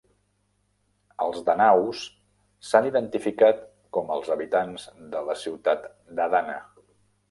Els danaus s'han identificat com els habitants de la ciutat d'Adana.